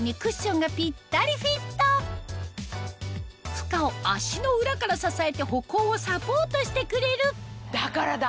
負荷を足の裏から支えて歩行をサポートしてくれるだからだ